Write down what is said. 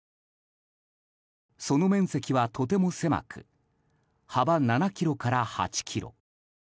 その面積はとても狭く幅７ｋｍから８ｋｍ。